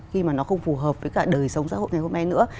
khi mà nó không phù hợp với cả đời sống xã hội ngày hôm nay nữa